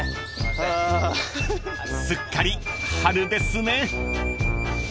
［すっかり春ですね］